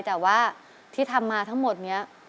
แต่ว่าที่ทำมาทั้งหมดนี้